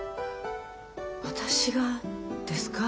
私がですか？